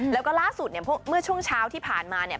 แล้วก็ล่าสุดเนี่ยเมื่อช่วงเช้าที่ผ่านมาเนี่ย